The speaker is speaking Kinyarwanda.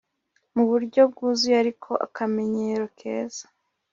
mu buryo bwuzuye ariko akamenyero keza